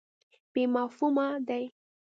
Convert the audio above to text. بې مفهومه دی.